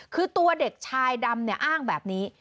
คือตัวเด็กชายดำเนี่ยอ้างแบบนี้